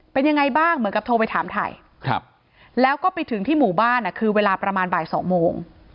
เป็นยังไงบ้างเหมือนกับโทรไปถามไทยแล้วก็ไปถึงที่หมู่บ้านคือเวลาประมาณบ่าย๒โมง